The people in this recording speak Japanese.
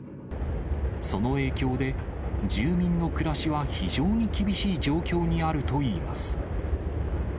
その影響で、住民の暮らしは非常に厳しい状況にあるといいます。